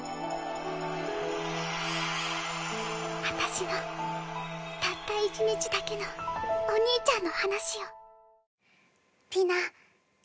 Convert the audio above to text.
あたしのたった一日だけのお兄ちゃんの話を